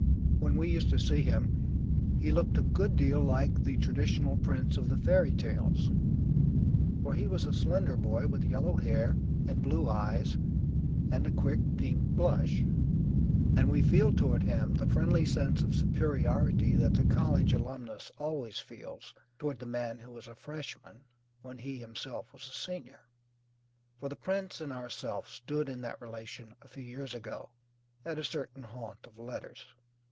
When we used to see him he looked a good deal like the traditional prince of the fairy tales, for he was a slender boy with yellow hair, and blue eyes, and a quick pink blush. And we feel toward him the friendly sense of superiority that the college alumnus always feels toward the man who was a freshman when he himself was a senior; for the prince and ourself stood in that relation a few years ago at a certain haunt of letters.